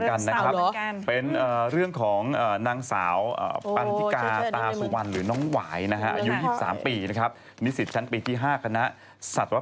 น่ากลัวน่ากลัวต้องระวังนะฮะเจออย่างนี้ต้องหนีเลย